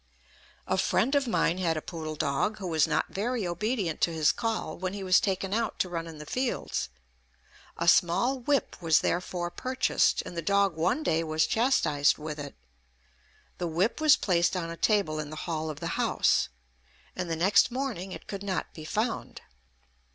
A friend of mine had a poodle dog, who was not very obedient to his call when he was taken out to run in the fields. A small whip was therefore purchased, and the dog one day was chastised with it. The whip was placed on a table in the hall of the house, and the next morning it could not be found.